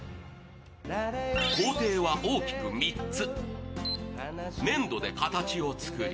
工程は大きく３つ。